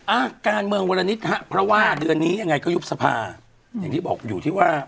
อ่ะการเมืองวรณิตฮะเพราะว่าเดือนนี้ยังไงก็ยุบสภาอย่างที่บอกอยู่ที่ว่า